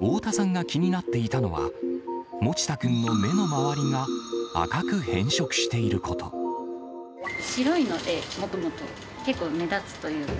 太田さんが気になっていたのは、もちた君の目の周りが赤く変色し白いので、もともと、結構目立つというか、